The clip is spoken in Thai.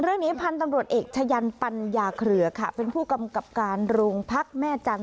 เรื่องนี้พันธุ์ตำรวจเอกชะยันปัญญาเครือค่ะเป็นผู้กำกับการโรงพักแม่จันท